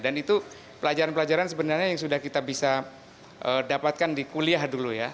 dan itu pelajaran pelajaran sebenarnya yang sudah kita bisa dapatkan di kuliah dulu ya